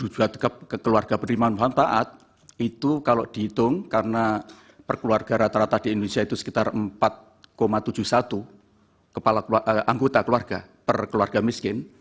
dua puluh dua juta keluarga beriman puan taat itu kalau dihitung karena perkeluarga rata rata di indonesia itu sekitar empat tujuh puluh satu anggota keluarga perkeluarga miskin